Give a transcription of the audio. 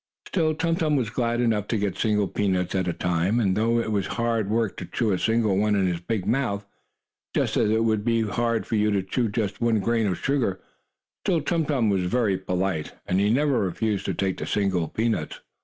Still, Tum Tum was glad enough to get single peanuts at a time, and though it was hard work to chew a single one in his big mouth, just as it would be hard for you to chew just one grain of sugar, still Tum Tum was very polite, and he never refused to take the single peanuts.